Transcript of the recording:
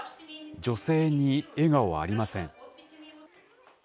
女性に笑顔はありません。